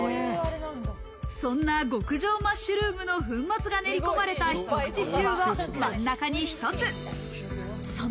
そんな極上マッシュルームの粉末が練り込まれた、ひと口シューを真ん中に一つ。